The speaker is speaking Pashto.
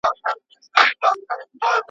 لاس یې پورته د غریب طوطي پر سر کړ.